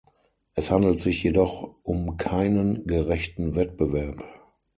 Es handelt sich jedoch um keinen gerechten Wettbewerb.